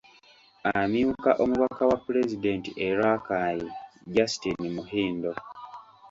Amyuka omubaka wa Pulezidenti e Rakai Justine Muhindo.